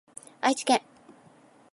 愛知県